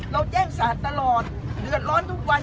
เราแจ้งศาสตร์ตลอดเดือดร้อนทุกวัน